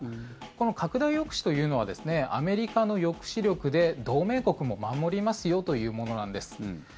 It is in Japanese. この拡大抑止というのはですねアメリカの抑止力で同盟国も守りますよというものなんです。